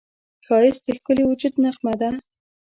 ښایست د ښکلي وجود نغمه ده